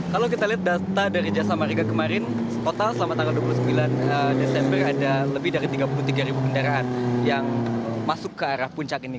kalau kita lihat data dari jasa marga kemarin total selama tanggal dua puluh sembilan desember ada lebih dari tiga puluh tiga ribu kendaraan yang masuk ke arah puncak ini